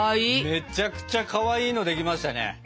めちゃくちゃかわいいのできましたね！